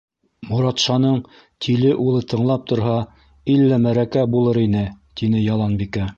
— Моратшаның тиле улы тыңлап торһа, иллә мәрәкә булыр ине, — тине Яланбикә.